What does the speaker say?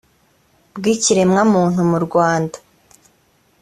bw ikiremwamuntu mu rwanda